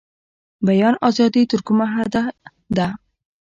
بیان ازادي تر کومه حده ده؟